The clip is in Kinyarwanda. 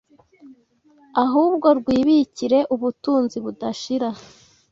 ahubwo rwibikire ubutunzi budashira